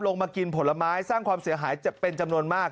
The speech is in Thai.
มากินผลไม้สร้างความเสียหายเป็นจำนวนมาก